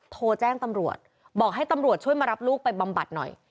โทรแจ้งตำรวจบอกให้ตำรวจช่วยมารับลูกไปบำบัดหน่อย